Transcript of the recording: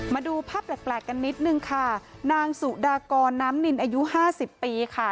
มาดูภาพแปลกกันนิดนึงค่ะนางสุดากรน้ำนินอายุห้าสิบปีค่ะ